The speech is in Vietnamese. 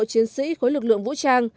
chiến sĩ khối lực lượng vũ trang